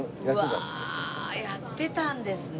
うわやってたんですね。